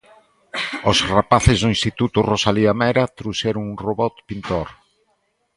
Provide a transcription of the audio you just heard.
Os rapaces do instituto Rosalía Mera trouxeron un robot pintor.